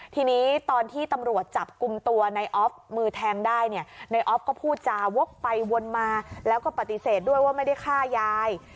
ทีนี้ตอนที่ตำรวจจับกลุ่มตัวในออฟมือแทงได้เนี่ยในออฟก็พูดจาวกไปวนมาแล้วก็ปฏิเสธด้วยว่าไม่ได้ฆ่ายาย